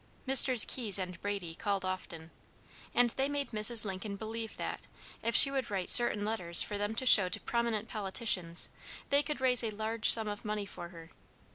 Messrs. Keyes and Brady called often, and they made Mrs. Lincoln believe that, if she would write certain letters for them to show to prominent politicians, they could raise a large sum of money for her.